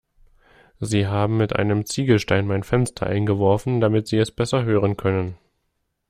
Sie haben mit einem Ziegelstein mein Fenster eingeworfen, damit sie es besser hören können.